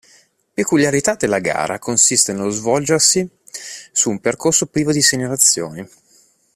Peculiarità della gara consiste nello svolgersi su un percorso privo di segnalazioni.